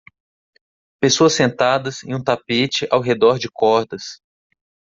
Pessoas sentadas em um tapete ao redor de cordas.